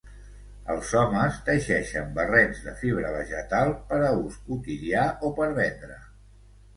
Els homes teixeixen barrets de fibra vegetal per a ús quotidià o per vendre.